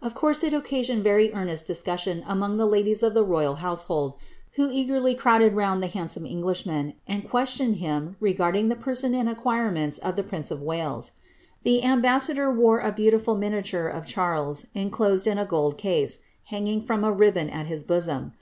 Of course it occasioned very earnest discussion among the ladies of the royal household, who eagerly crowded round the handsome Englishman, and questioned him regarding the person and acquirements of the prince of Wales. The ambaraador wore a beautiful miniature of Charles enclosed in a gold case, hanging from a ribbon at his bosom.